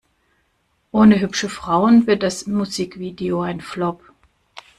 Ohne hübsche Frauen wird das Musikvideo ein Flop.